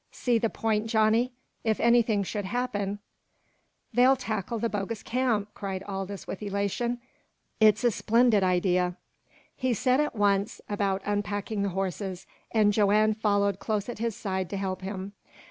See the point, Johnny? If anything should happen " "They'd tackle the bogus camp!" cried Aldous with elation. "It's a splendid idea!" He set at once about unpacking the horses, and Joanne followed close at his side to help him.